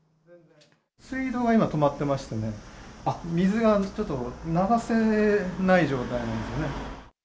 水道が今、止まってましてね、水がちょっと流せない状態なんですね。